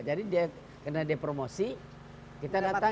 jadi dia karena dia promosi kita datangin